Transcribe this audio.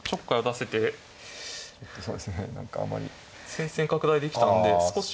戦線拡大できたんで少し。